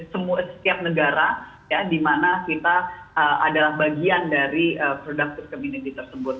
setiap negara ya di mana kita adalah bagian dari productice community tersebut